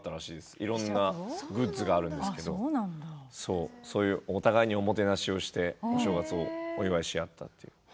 いろんなグッズがあるんですけどお互いにおもてなしをしてお正月をお祝いし合ったという。